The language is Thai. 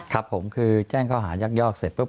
ครับผมคือแจ้งข้อหายักยอกเสร็จปุ๊